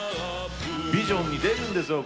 ビジョンに出るんですよ。